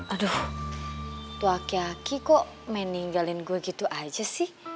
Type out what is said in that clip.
aduh tua kaki kaki kok main ninggalin gue gitu aja sih